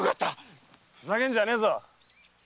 〔ふざけんじゃねえぞ！〕